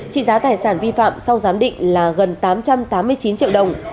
trị giá tài sản vi phạm sau giám định là gần tám trăm tám mươi chín triệu đồng